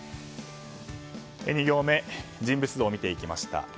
２行目、人物像を見ていきました。